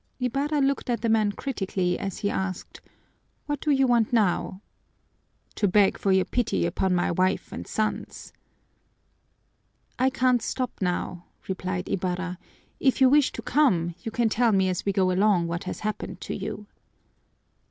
Ibarra looked at the man critically as he asked, "What do you want now?" "To beg for your pity upon my wife and sons." "I can't stop now," replied Ibarra. "If you wish to come, you can tell me as we go along what has happened to you."